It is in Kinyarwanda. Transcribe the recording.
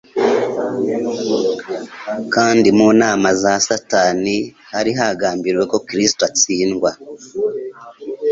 kandi mu nama za Satani hari hagambiriwe ko Kristo atsindwa.